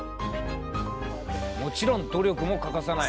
もちろん努力も欠かさない。